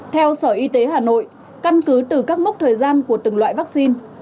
theo sở y tế hà nội căn cứ từ các mốc thời gian của từng loại vaccine